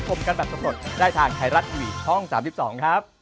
สวัสดีครับ